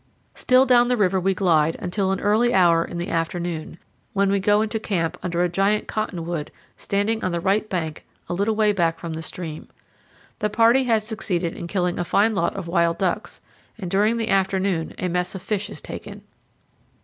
Still down the river we glide until an early hour in the afternoon, when we go into camp under a giant cottonwood standing on the right bank a little way back from the stream. The party has succeeded in killing a fine lot of wild ducks, and during the afternoon a mess of fish is taken.